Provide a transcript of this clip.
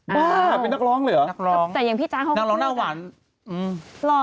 บ้าเป็นนักร้องเหรอนักร้องหน้าหวานเหรอ